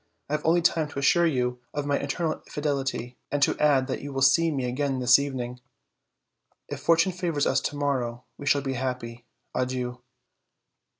I have only time to assure you of my eternal fidelity, and to add that you will see me again in the evening. If fortune favors us to morrow, we shall be happy. Adieu."